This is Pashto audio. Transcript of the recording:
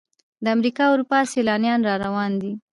د امریکا او اروپا سیلانیان را روان دي.